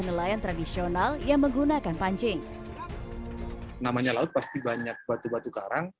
nelayan tradisional yang menggunakan pancing namanya laut pasti banyak batu batu karang